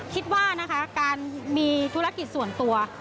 คิดว่านะคะการมีธุรกิจส่วนตัว